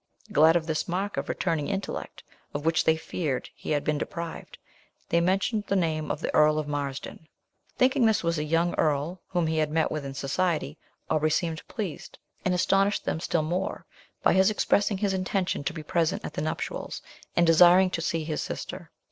Glad of this mark of returning intellect, of which they feared he had been deprived, they mentioned the name of the Earl of Marsden. Thinking this was a young Earl whom he had met with in society, Aubrey seemed pleased, and astonished them still more by his expressing his intention to be present at the nuptials, and desiring to see his sister.